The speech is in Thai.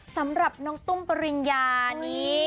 สำหรับน้องตุ้มปริญญานี้